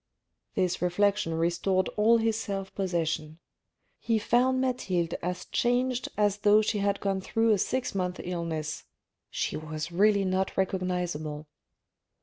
This reflection restored all his self possession. He found Mathilde as changed as though she had gone through a six months' illness : she was really not recognisable.